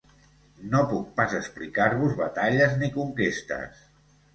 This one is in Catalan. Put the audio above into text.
No puc pas explicar-vos batalles ni conquestes.